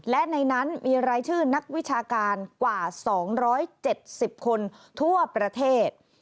และในนั้นมีรายชื่อนักวิชาการกว่า๒๗๐คนทั่วประเทศ